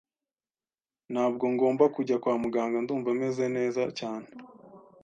Ntabwo ngomba kujya kwa muganga. Ndumva meze neza cyane.